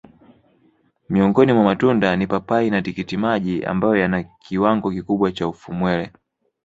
Miongoni mwa matunda ni papai na tikitimaji ambayo yana kiwango kikubwa cha ufumwele